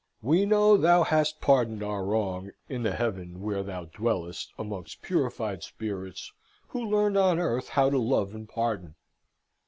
We know thou hast pardoned our wrong in the Heaven where thou dwellest amongst purified spirits who learned on earth how to love and pardon!